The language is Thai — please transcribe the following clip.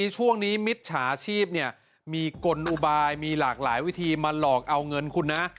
ช่วงนี้มิจฉาชีพมีกลอุบายมีหลากหลายวิธีมาหลอกเอาเงินคุณนะ